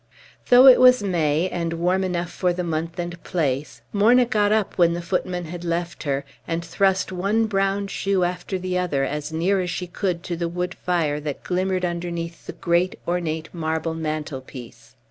Though it was May, and warm enough for the month and place, Morna got up when the footman had left her, and thrust one brown shoe after the other as near as she could to the wood fire that glimmered underneath the great, ornate, marble mantelpiece.